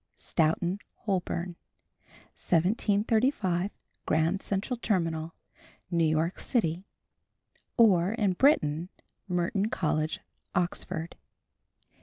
STOUGHTON HOLBORN. 1735 Grand Central Terminal, New York City. (or, in Britain, Merton College, Oxford).